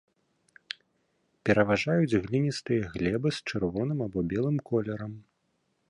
Пераважаюць гліністыя глебы з чырвоным або белым колерам.